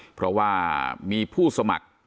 เพราะว่ามีผู้สมัคร